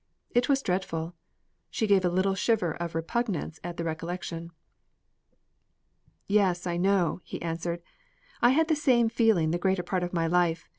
It was dreadful!" She gave a little shiver of repugnance at the recollection. "Yes, I know," he answered. "I had that same feeling the greater part of my life.